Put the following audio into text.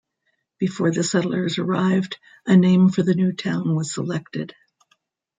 Before the settlers arrived, a name for the new town was selected.